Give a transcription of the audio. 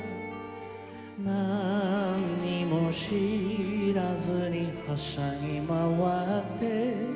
「何にも知らずにはしゃぎ廻って」